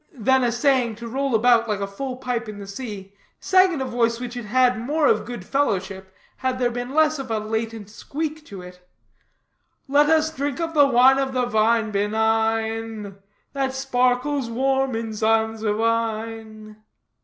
Then essaying to roll about like a full pipe in the sea, sang in a voice which had had more of good fellowship, had there been less of a latent squeak to it: "Let us drink of the wine of the vine benign, That sparkles warm in Zansovine."